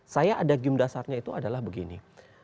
saya ada game dasarnya itu adalah begini